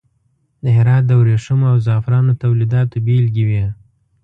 د هرات د وریښمو او زغفرانو تولیداتو بیلګې وې.